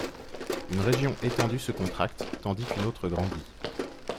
une région “étendue” se contracte tandis qu'une autre grandit.